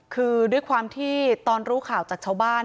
คือด้วยความที่ตอนรู้ข่าวจากชาวบ้าน